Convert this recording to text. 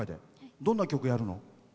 どんな曲やるの？